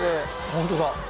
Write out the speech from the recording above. ホントだ。